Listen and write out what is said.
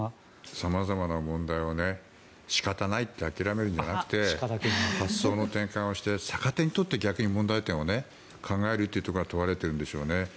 様々な問題を仕方ないって諦めるんじゃなくて発想の転換をして逆手に取って逆に問題点を考えるというところが問われているんでしょうね。